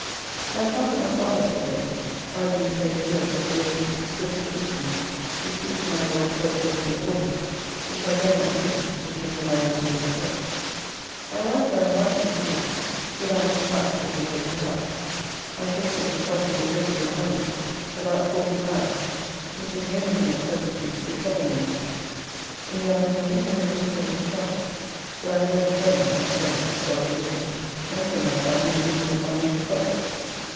I was not at my father's to day, I being afraid to go for fear he should still solicit me to speak to my Lord for a place in the Wardrobe, which I dare not do, because of my own business yet. My wife and I mightily pleased with our new house that we hope to have. My patent has cost me a great deal of money, about L40, which is the only thing at present which do trouble me much. In the afternoon to Henry the Seventh's chapel, where I heard a sermon and spent (God forgive me) most of my time in looking upon Mrs. Butler.